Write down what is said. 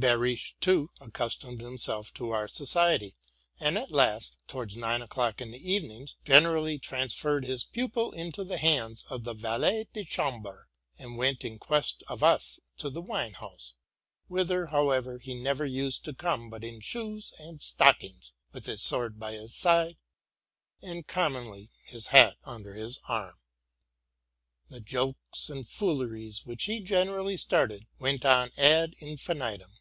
Behrisch, too, accustomed himself to our society, and at last, towards nine o'clock in the even ings, generally transferred his pupil into the hands of the valet de chambre, and went in quest of us to the wine house, whither, however, he never used to come but in shoes and stockings, with his sword by his side, and commonly his hat under his arm. The jokes and fooleries, which he generally started, went on ad infinitum.